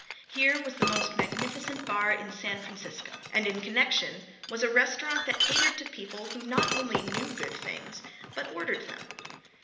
Here was the most magnificent bar in San Francisco, and in connection was a restaurant that catered to people who not only knew good things but ordered them.